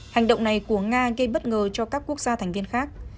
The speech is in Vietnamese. hành động này của nga gây bất ngờ cho các quốc gia thành viên khác